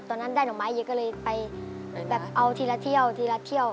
ตอนนั้นได้หน่อไม้เยอะก็เลยไปแบบเอาทีละเที่ยวทีละเที่ยว